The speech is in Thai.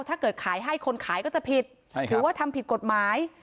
ถ้าเกิดขายให้คนขายก็จะผิดถือว่าทำผิดกฎหมาย